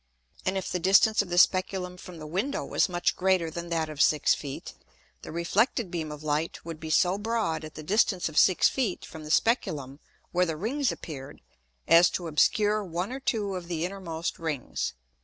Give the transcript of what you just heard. And if the distance of the Speculum from the Window was much greater than that of six Feet, the reflected beam of Light would be so broad at the distance of six Feet from the Speculum where the Rings appear'd, as to obscure one or two of the innermost Rings.